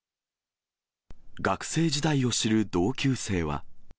学生時代を知る同級生は。